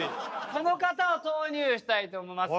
この方を投入したいと思います。